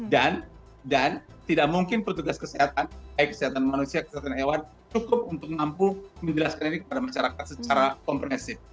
dan tidak mungkin petugas kesehatan baik kesehatan manusia kesehatan hewan cukup untuk mampu menjelaskan ini kepada masyarakat secara kompresif